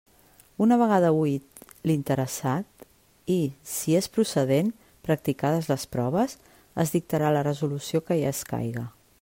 Una vegada oït l'interessat i, si és procedent, practicades les proves, es dictarà la resolució que hi escaiga.